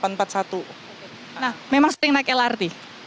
nah memang sering naik lrt